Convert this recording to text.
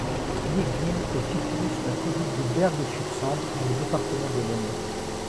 L'église est située sur la commune de Bergues-sur-Sambre, dans le département de l'Aisne.